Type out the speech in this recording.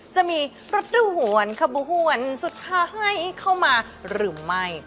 จะมีรถดูหวนขบวนหวนสุดท้ายเข้ามาหรือไม่